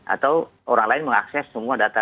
atau orang lain mengakses semua data